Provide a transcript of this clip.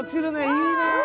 いいね！